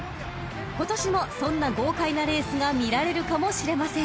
［今年もそんな豪快なレースが見られるかもしれません］